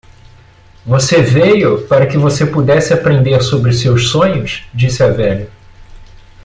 "Você veio para que você pudesse aprender sobre seus sonhos?" disse a velha.